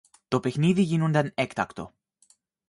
Το παιχνίδι γίνουνταν έκτακτο